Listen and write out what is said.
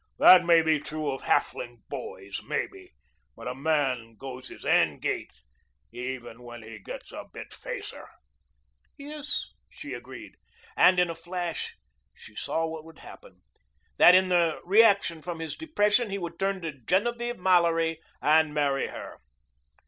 That may be true of halfling boys, maybe, but a man goes his ain gait even when he gets a bit facer." "Yes," she agreed. And in a flash she saw what would happen, that in the reaction from his depression he would turn to Genevieve Mallory and marry her.